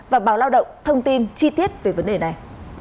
và báo lao động thông tin chi tiết về vấn đề này